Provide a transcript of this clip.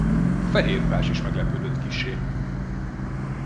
A fehér ruhás is meglepődött kissé.